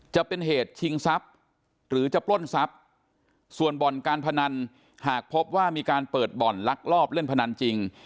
จะเป็นเหตุชิงทรัพย์หรือจะปล้นทรัพย์ส่วนบ่อนการพนันหากพบว่ามีการเปิดบ่อนลักลอบเล่นพนันจริง